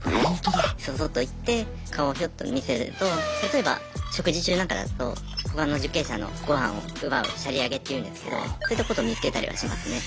そそっと行って顔ひょっと見せると例えば食事中なんかだと他の受刑者のごはんを奪うシャリあげっていうんですけどそういったことを見つけたりはしますね。